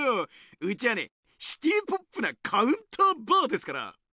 うちはシティーポップなカウンターバーですから。